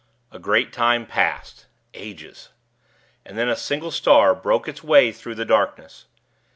A great time passed ages. And then a single star broke its way through the darkness.